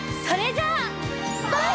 それじゃあ。